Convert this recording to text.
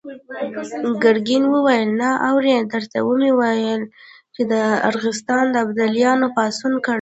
ګرګين وويل: نه اورې! درته ومې ويل چې د ارغستان ابداليانو پاڅون کړی.